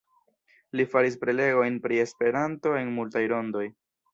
Li faris prelegojn pri Esperanto en multaj rondoj.